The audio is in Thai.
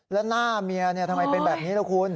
แล้วหน้าเมียทำไมเป็นแบบนี้ล่ะคุณ